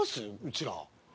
うちら。